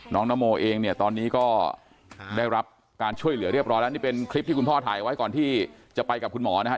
นโมเองเนี่ยตอนนี้ก็ได้รับการช่วยเหลือเรียบร้อยแล้วนี่เป็นคลิปที่คุณพ่อถ่ายไว้ก่อนที่จะไปกับคุณหมอนะครับ